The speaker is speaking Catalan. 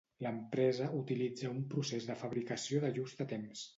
L'empresa utilitza un procés de fabricació de just a temps.